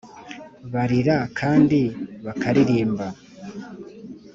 Barira kandi bakaririmba